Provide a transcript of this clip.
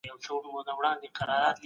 هغوی یوازي د پانګوني ظرفیت ته کتل.